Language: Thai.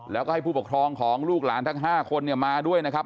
แล้วก็ให้ผู้ปกครองของลูกหลานทั้ง๕คนมาด้วยนะครับ